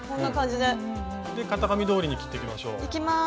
で型紙どおりに切ってきましょう。いきます。